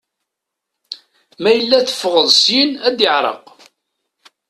Ma yella teffɣeḍ syin ad iɛreq.